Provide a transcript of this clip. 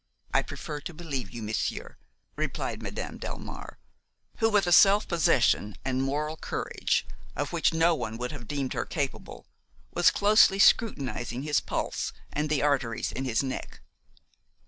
"I prefer to believe you, monsieur," replied Madame Delmare, who, with a self possession and moral courage of which no one would have deemed her capable, was closely scrutinizing his pulse and the arteries of his neck.